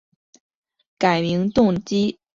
改名动机最常见为改运等社会惯习迷信。